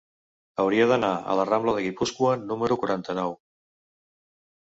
Hauria d'anar a la rambla de Guipúscoa número quaranta-nou.